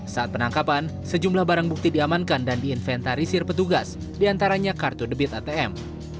saat penangkapan sejumlah barang bukti diamankan dan diinventarisir petugas diantaranya kartu debit atm